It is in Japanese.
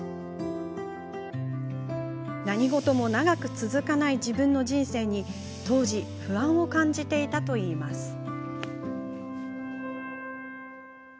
何事も長く続かない自分の人生に当時、不安を感じていたといいます。